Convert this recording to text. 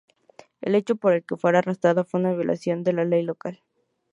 El hecho por el que fue arrestada fue una violación de la ley local.